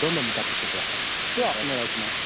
ではお願いします。